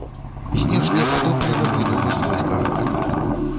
Знешне падобны на буйнога свойскага ката.